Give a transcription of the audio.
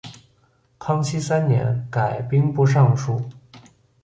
康熙三年改兵部尚书。